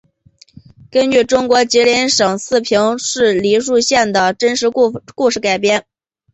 根据中国吉林省四平市梨树县的真实故事改编。